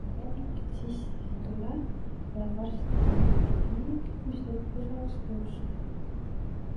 Kuna aga lennukid sisse ei tule, pole varsti enam ühtegi lennukit, mis õhku saaks tõusta.